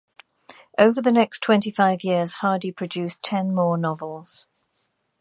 Over the next twenty-five years Hardy produced ten more novels.